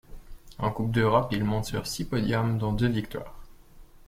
En Coupe d'Europe, il monte sur six podiums dont deux victoires.